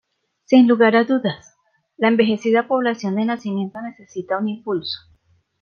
Sin lugar a dudas, la envejecida población de Nacimiento necesita un impulso.